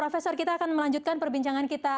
profesor kita akan melanjutkan perbincangan kita